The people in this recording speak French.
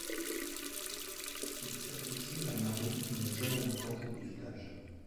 Il s'associe à Marie, une jeune habitante du village.